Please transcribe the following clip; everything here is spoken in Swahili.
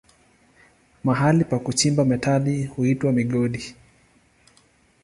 Mahali pa kuchimba metali huitwa migodi.